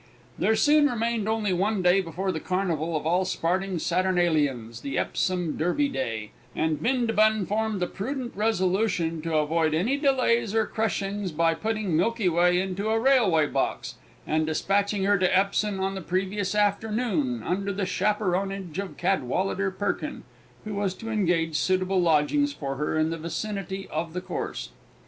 There soon remained only one day before that carnival of all sporting saturnalians, the Epsom Derby day, and Bindabun formed the prudent resolution to avoid any delays or crushings by putting Milky Way into a railway box, and despatching her to Epsom on the previous afternoon, under the chaperonage of Cadwallader Perkin, who was to engage suitable lodgings for her in the vicinity of the course.